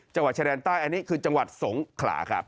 จังหวัดชายแดนใต้อันนี้คือจังหวัดสงขลาครับ